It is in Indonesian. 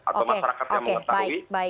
atau masyarakat yang mengetahui